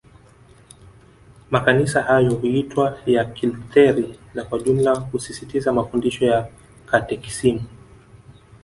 Makanisa hayo huitwa ya Kilutheri na Kwa jumla husisitiza mafundisho ya Katekisimu